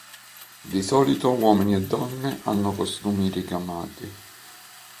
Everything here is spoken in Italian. Di solito, uomini e donne hanno costumi ricamati.